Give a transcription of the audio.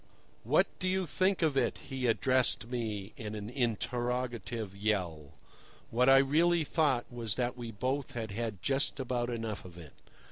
"What do you think of it?" he addressed me in an interrogative yell. What I really thought was that we both had had just about enough of it.